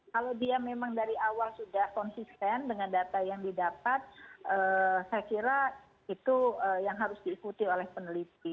kalau dia memang dari awal sudah konsisten dengan data yang didapat saya kira itu yang harus diikuti oleh peneliti